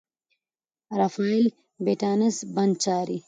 رافایل بیټانس بند څاري.